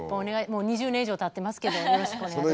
もう２０年以上たってますけどよろしくお願いいたします。